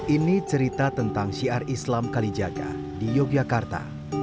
ini cerita tentang syiar islam kalijaga di yogyakarta